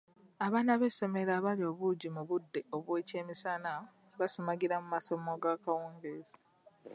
Abaana b'essomero abalya obuugi mu budde bw'ekyemisana basumagirira mu masomo g'akawungeezi.